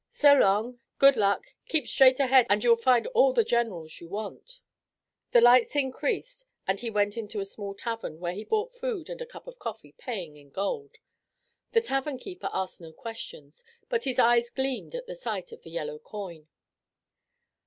"So long. Good luck. Keep straight ahead, and you'll find all the generals you want." The lights increased and he went into a small tavern, where he bought food and a cup of coffee, paying in gold. The tavern keeper asked no questions, but his eyes gleamed at sight of the yellow coin.